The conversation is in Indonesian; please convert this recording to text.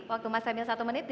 waktu mas emil satu menit